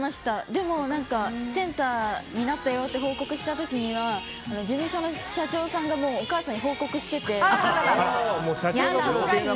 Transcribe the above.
でも、センターになったよって報告した時には事務所の社長さんがお母さんに報告してて。